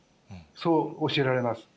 そう教えられます。